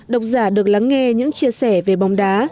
độc giả được lắng nghe những chia sẻ về bóng đá